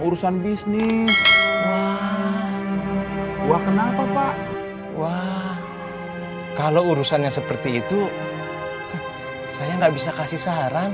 urusan bisnis wah kenapa pak wah kalau urusannya seperti itu saya nggak bisa kasih saran